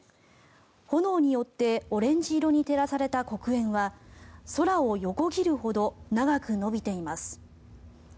炎によってオレンジ色に照らされた黒煙は空を横切るほど長く延びています。